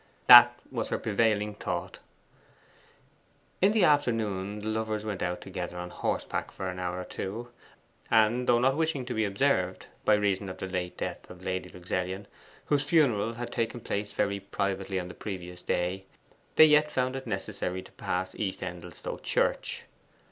That was her prevailing thought. In the afternoon the lovers went out together on horseback for an hour or two; and though not wishing to be observed, by reason of the late death of Lady Luxellian, whose funeral had taken place very privately on the previous day, they yet found it necessary to pass East Endelstow Church.